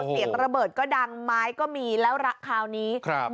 เสียงระเบิดก็ดังไม้ก็มีแล้วคราวนี้ครับ